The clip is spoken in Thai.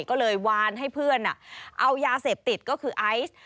ก็เลยวานให้เพื่อนเอายาเสพติดก็คือไอซ์